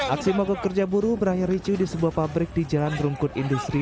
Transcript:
aksi mogok kerja buruh berakhir ricu di sebuah pabrik di jalan rungkut industri